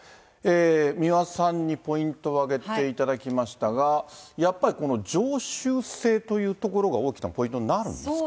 三輪さんにポイントを挙げていただきましたが、やっぱり常習性というところが大きなポイントになるんですか。